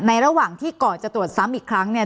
ระหว่างที่ก่อนจะตรวจซ้ำอีกครั้งเนี่ย